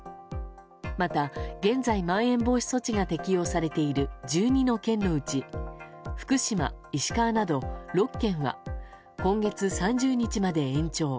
また、現在まん延防止措置が適用されている１２の県のうち福島、石川など６県は今月３０日まで延長。